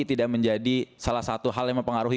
tidak menjadi salah satu hal yang mempengaruhi